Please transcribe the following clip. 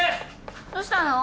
どうしたの？